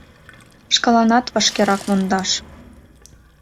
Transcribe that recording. Шкаланат вашкерак мондаш!